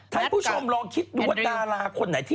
ทายผู้ชมรอคิดดูวัตตาราคนหน่อย